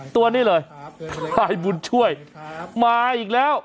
ตัวนี้เลยพลายบุญช่วยมาอีกแล้ว